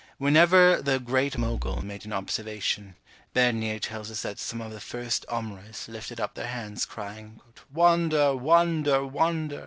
Whenever the Great Mogul made an observation, Bernier tells us that some of the first Omrahs lifted up their hands, crying, "Wonder!